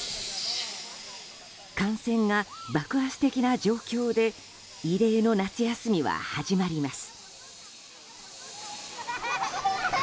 感染が爆発的な状況で異例の夏休みは始まります。